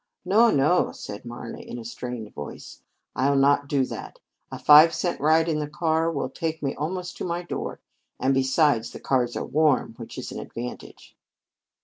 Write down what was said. "No, no," said Marna in a strained voice. "I'll not do that. A five cent ride in the car will take me almost to my door; and besides the cars are warm, which is an advantage."